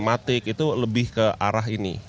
matik itu lebih ke arah ini